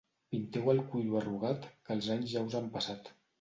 Pinteu el cuiro arrugat, que els anys ja us han passat.